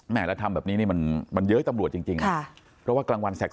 นะแล้วทำแบบนี้มันเย้ตำลวดจริงมาก